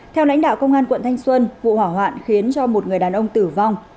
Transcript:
theo lãnh đạo công an quận thanh xuân vụ hỏa hoạn khiến cho một người đàn ông tử vong